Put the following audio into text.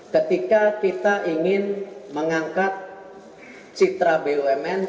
ketika kita ingin mengangkat citra bumn